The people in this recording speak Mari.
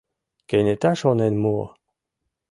Кенета шонен муо.